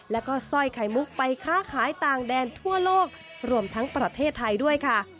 แล้วก็สร้อยไข่มุกไปค้าขายต่างแดนทั่วโลกรวมทั้งประเทศไทยด้วยค่ะ